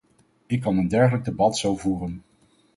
Ik kan een dergelijk debat zo voeren.